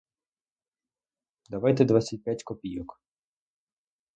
Давайте двадцять п'ять копійок.